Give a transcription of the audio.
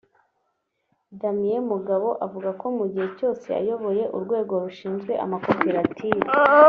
Damien Mugabo avuga ko mu gihe cyose yayoboye Urwego Rushinzwe Amakoperative